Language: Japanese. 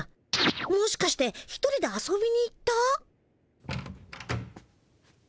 もしかして１人で遊びに行った？